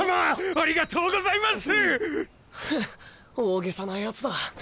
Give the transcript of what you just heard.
ありがとうございます！